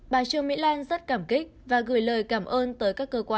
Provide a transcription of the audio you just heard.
bà trương mỹ lan rất cảm kích và gửi lời cảm ơn tới các cơ quan